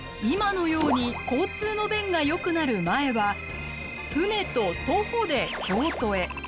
今のように交通の便が良くなる前は船と徒歩で京都へ。